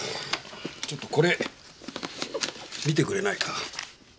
ちょっとこれ見てくれないか？